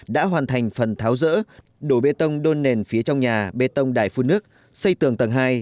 đã hoàn thành phần tháo rỡ đổ bê tông đôn nền phía trong nhà bê tông đài phun nước xây tường tầng hai